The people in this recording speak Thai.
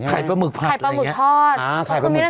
ไข่ปลาหมึกผัดอะไรอย่างนี้อ่าไข่ปลาหมึกทอด